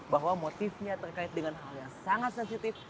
bahwa motifnya terkait dengan hal yang sangat sensitif